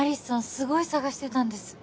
すごい捜してたんです